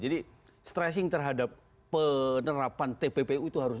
jadi stressing terhadap penerapan tppu itu